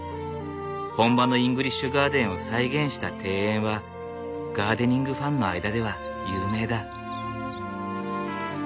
本場のイングリッシュガーデンを再現した庭園はガーデニングファンの間では有名だ。